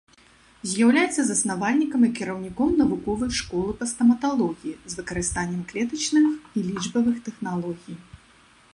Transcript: З'яўляецца заснавальнікам і кіраўніком навуковай школы па стаматалогіі з выкарыстаннем клетачных і лічбавых тэхналогій.